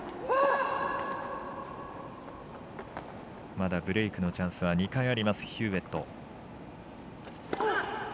まだブレークのチャンスは２回あります、ヒューウェット。